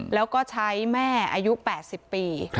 แล้วก็ใช้แม่อายุ๘๐ปี